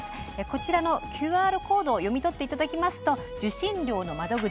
こちらのＱＲコードを読み取っていただきますと受信料の窓口